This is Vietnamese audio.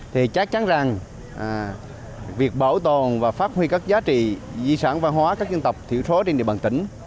thì chắc chắn rằng việc bảo tồn và phát huy các giá trị di sản văn hóa các dân tộc thiểu số trên địa bàn tỉnh